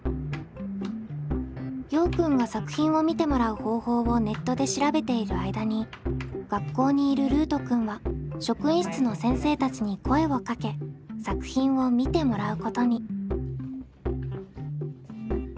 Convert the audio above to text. ようくんが作品を見てもらう方法をネットで調べている間に学校にいるルートくんは職員室の先生たちに声をかけ作品を見てもらうことに。